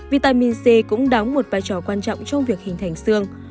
vitamin c cũng đóng một vai trò quan trọng trong việc hình thành xương